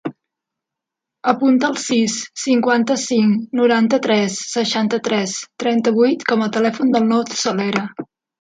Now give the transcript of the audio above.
Apunta el sis, cinquanta-cinc, noranta-tres, seixanta-tres, trenta-vuit com a telèfon del Nouh Solera.